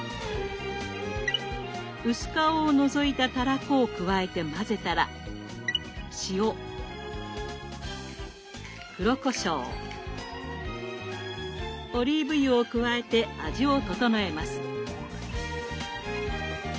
薄皮をのぞいたたらこを加えて混ぜたら塩黒こしょうオリーブ油を加えて味を調えます。